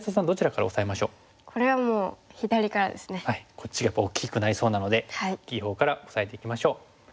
こっちがやっぱり大きくなりそうなので大きいほうからオサえていきましょう。